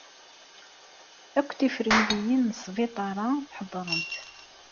Akk tifremliyin n wesbiṭar-a ḥedqent.